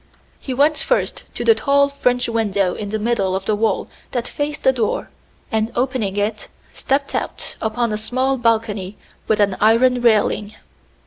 He went first to the tall French window in the middle of the wall that faced the door, and opening it, stepped out upon a small balcony with an iron railing.